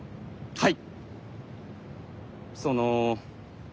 はい！